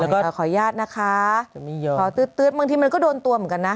แล้วก็ขออนุญาตนะคะขอตื๊ดบางทีมันก็โดนตัวเหมือนกันนะ